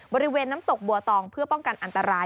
บริเวณน้ำตกบัวตองเพื่อป้องกันอันตราย